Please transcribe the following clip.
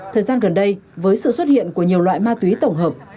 thời gian gần đây với sự xuất hiện của nhiều loại ma túy tổng hợp